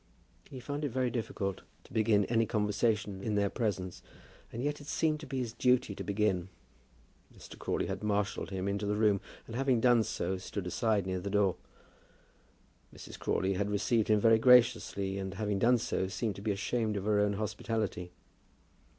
He found it very difficult to begin any conversation in their presence, and yet it seemed to be his duty to begin. Mr. Crawley had marshalled him into the room, and having done so, stood aside near the door. Mrs. Crawley had received him very graciously, and having done so, seemed to be ashamed of her own hospitality.